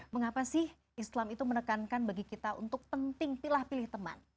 mengapa sih islam itu menekankan bagi kita untuk penting pilih pilih teman